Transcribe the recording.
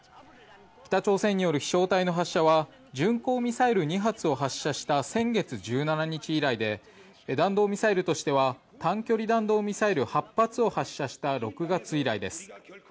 北朝鮮による飛翔体の発射は巡航ミサイル２発を発射した先月１７日以来で弾道ミサイルとしては短距離弾道ミサイル８発を発射した６月以来です。